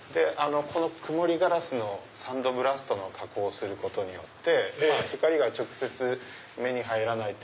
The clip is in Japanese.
曇りガラスのサンドブラストの加工をすることによって光が直接目に入らない。